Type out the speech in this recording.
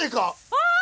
ああ！